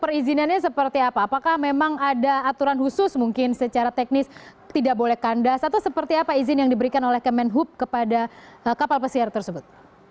perizinannya seperti apa apakah memang ada aturan khusus mungkin secara teknis tidak boleh kandas atau seperti apa izin yang diberikan oleh kemenhub kepada kapal pesiar tersebut